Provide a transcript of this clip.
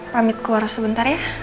pamit keluar sebentar ya